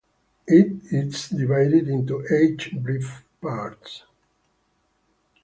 It is divided into eight brief parts.